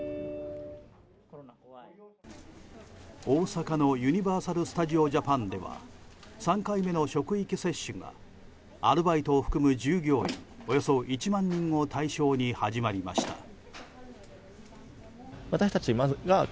大阪のユニバーサル・スタジオ・ジャパンでは３回目の職域接種がアルバイトを含む従業員およそ１万人を対象に始まりました。